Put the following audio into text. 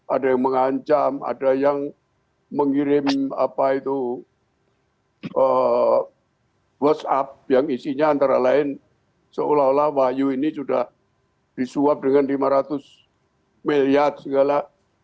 ada yang mengancam ada yang mengirim apa itu whatsapp yang isinya antara lain seolah olah wahyu ini sudah disuap dengan lima ratus miliar segala